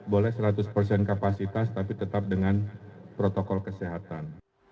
boleh seratus persen kapasitas tapi tetap dengan protokol kesehatan